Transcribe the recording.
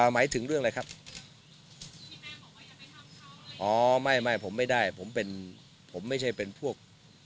หมายถึงเรื่องอะไรครับอ๋อไม่ไม่ผมไม่ได้ผมเป็นผมไม่ใช่เป็นพวก